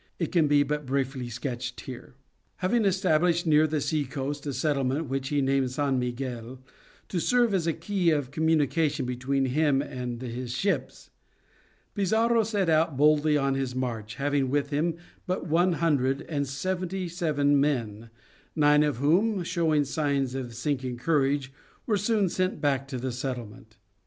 It can be but briefly sketched here. Having established near the sea coast a settlement which he named San Miguel, to serve as a key of communication between him and his ships, Pizarro set out boldly on his march, having with him but one hundred and seventy seven men, nine of whom showing signs of sinking courage, were soon sent back to the settlement.